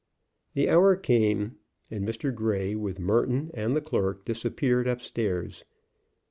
The hour came, and Mr. Grey, with Merton and the clerk, disappeared up stairs.